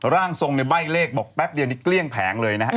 ร่างทรงในใบ้เลขบอกแป๊บเดียวนี่เกลี้ยงแผงเลยนะฮะ